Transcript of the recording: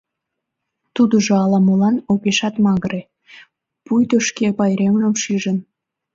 Тудыжо ала-молан огешат магыре, пуйто шке пайремжым шижын.